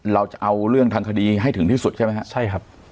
เราจะเอาเรื่องทางคดีให้ถึงที่สุดใช่ไหมฮะใช่ครับ